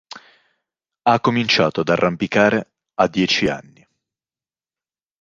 Ha cominciato ad arrampicare a dieci anni.